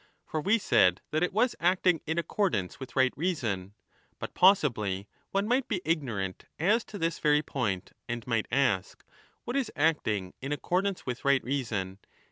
For we said that it was acting in accordance with right reason. But possibly one might be ignorant as to this very point, and might ask, ' What is acting in accordance with right reason?